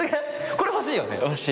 これ欲しいよね。